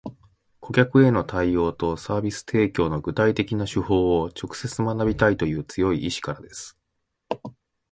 顧客への対応とサービス提供の具体的な手法を直接学びたいという強い意志からです